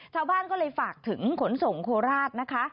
ชาวบ้านก็เลยฝากถึงขนส่งโคราชนะคะ